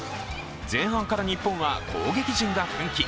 前半から日本は攻撃陣が奮起。